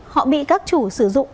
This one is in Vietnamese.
họ bị các chủ sử dụng